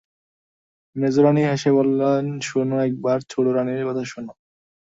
মেজোরানী হেসে বললেন, শোনো একবার, ছোটোরানীর কথা শোনো।